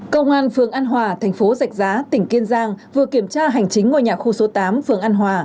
công an phường an hòa thành phố giạch giá tỉnh kiên giang vừa kiểm tra hành chính ngôi nhà khu số tám phường an hòa